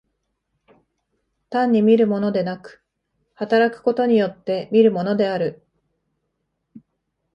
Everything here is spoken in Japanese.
単に見るものでなく、働くことによって見るものである。